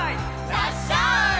「らっしゃい！」